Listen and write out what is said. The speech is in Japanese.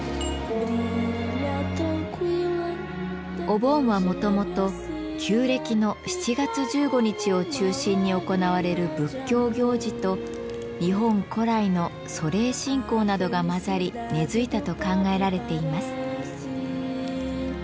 お盆はもともと旧暦の７月１５日を中心に行われる仏教行事と日本古来の祖霊信仰などが混ざり根づいたと考えられています。